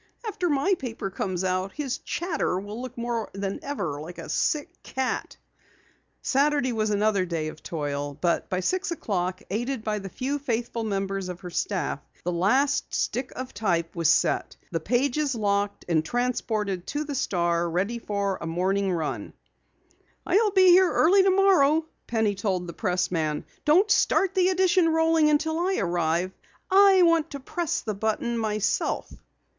"After my paper comes out his Chatter will look more than ever like a sick cat." Saturday was another day of toil, but by six o'clock, aided by the few faithful members of her staff, the last stick of type was set, the pages locked and transported to the Star ready for the Sunday morning run. "I'll be here early tomorrow," Penny told the pressman. "Don't start the edition rolling until I arrive. I want to press the button myself."